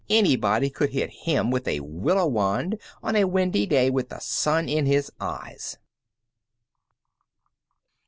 Anybody could hit him with a willow wand, on a windy day, with the sun in his eyes."